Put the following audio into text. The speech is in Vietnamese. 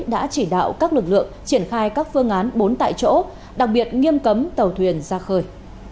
đã chỉ đạo các lực lượng triển khai các phương án bốn tại chỗ đặc biệt nghiêm cấm tàu thuyền ra khơi